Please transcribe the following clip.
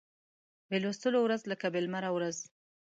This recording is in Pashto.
بې لوستلو ورځ لکه بې لمره ورځ